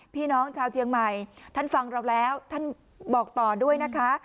พี่น้องชาวเจียงใหม่ท่านฟังเราแล้วท่านบอกต่อด้วยนะคะ